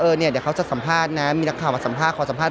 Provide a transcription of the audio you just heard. เดี๋ยวเขาจะสัมภาษณ์นะมีนักข่าวมาสัมภาษณขอสัมภาษ